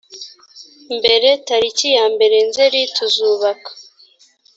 mbere tariki ya mbere nzerituzubaka